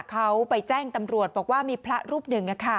เขาไปแจ้งตำรวจบอกว่ามีพระรูปหนึ่ง